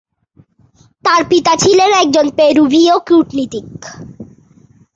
তার পিতা ছিলেন একজন পেরুভীয় কূটনীতিক।